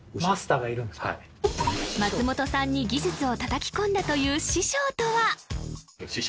はい松本さんに技術を叩き込んだという師匠とは？